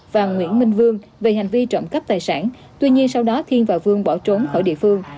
và nguyễn minh vương về hành vi trộm cắp tài sản tuy nhiên sau đó thiên và vương bỏ trốn khỏi địa phương